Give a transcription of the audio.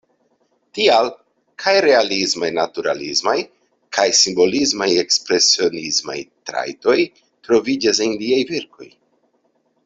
Tial kaj realismaj-naturalismaj kaj simbolismaj-ekspresionismaj trajtoj troviĝas en liaj verkoj.